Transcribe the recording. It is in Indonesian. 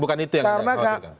bukan itu yang saya khawatirkan